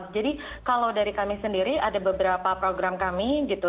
jadi kalau dari kami sendiri ada beberapa program kami gitu